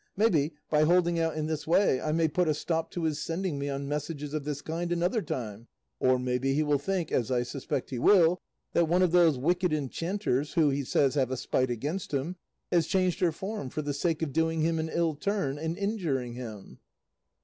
Maybe, by holding out in this way, I may put a stop to his sending me on messages of this kind another time; or maybe he will think, as I suspect he will, that one of those wicked enchanters, who he says have a spite against him, has changed her form for the sake of doing him an ill turn and injuring him."